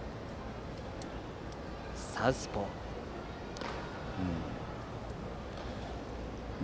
サウスポーです。